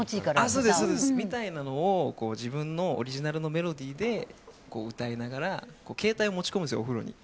そうですね、みたいなのを自分のオリジナルのメロディーで歌いながら、携帯を持ち込むんですよ、お風呂に。